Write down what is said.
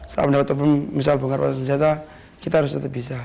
saat mendapat teping misal buka roda senjata kita harus tetap bisa